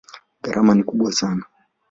Gharama ni kubwa sana.